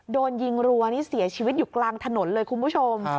โดนยิงรัวนี่เสียชีวิตอยู่กลางถนนเลยคุณผู้ชม